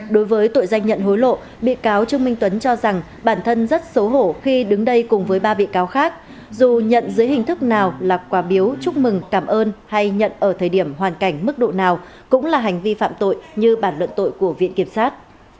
đối với tội danh nhận hối lộ bị cáo trương minh tuấn cho rằng bản thân rất xấu hổ khi đứng đây cùng với ba bị cáo khác dù nhận dưới hình thức nào là quà biếu chúc mừng cảm ơn hay nhận ở thời điểm hoàn cảnh mức độ nào cũng là hành vi phạm tội như bản luận tội của viện kiểm sát